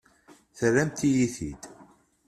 Terramt-iyi-t-id.